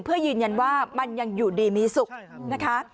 เพื่อยืนยันว่ามันยังอยู่ดีมีสุขนะคะ